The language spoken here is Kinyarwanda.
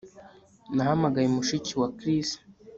Nahamagaye mushiki wa Chris